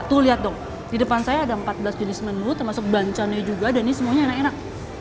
tuh lihat dong di depan saya ada empat belas jenis menu termasuk banconnya juga dan ini semuanya enak enak